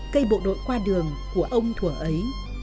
cây bộ đội qua đường của ông thủa ấy